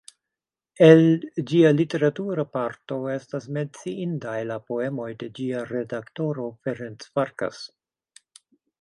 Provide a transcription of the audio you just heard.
El ĝia literatura parto estas menciindaj la poemoj de ĝia redaktoro, Ferenc Farkas.